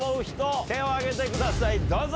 手を挙げてくださいどうぞ。